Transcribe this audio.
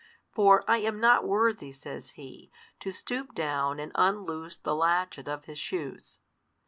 For I am not worthy, says he, to stoop down and unloose the latchet of His shoes.